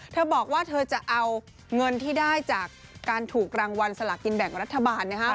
เธอบอกว่าเธอจะเอาเงินที่ได้จากการถูกรางวัลสลากินแบ่งรัฐบาลนะครับ